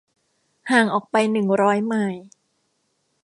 ห่างออกไปหนึ่งร้อยไมล์